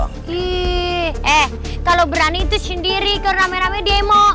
eh kalau berani itu sendiri kalau rame rame demo